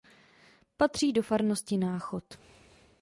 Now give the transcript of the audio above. Patří do farnosti Náchod.